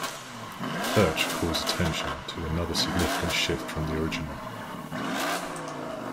Foertsch calls attention to another significant shift from the original.